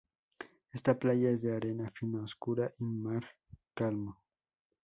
Esta playa es de arena fina, oscura y mar calmo.